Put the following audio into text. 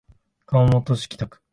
熊本市北区